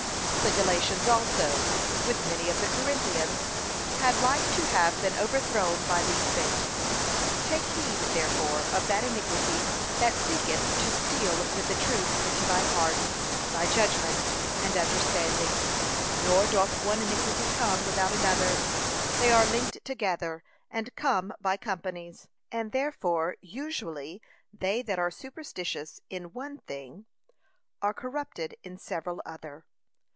The Galatians also, with many of the Corinthians, had like to have been overthrown by these things. Take heed, therefore, of that iniquity that seeketh to steal with the truth into thy heart, thy judgment, and understanding. Nor doth one iniquity come without another; they are linked together, and come by companies, and therefore usually they that are superstitious in one thing, are corrupted in several other.